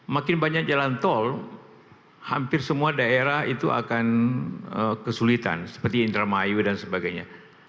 makin banyak jalan tol hampir semua daerah itu akan kesulitan seperti indramayu dan sebagainya